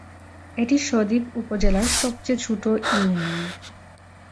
এটি সন্দ্বীপ উপজেলার সবচেয়ে ছোট ইউনিয়ন।